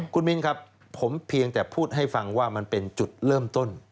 คุณมินครับผมเพียงแต่พูดให้ฟังว่ามันเป็นจุดเริ่มต้น